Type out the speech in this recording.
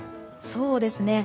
そうですね。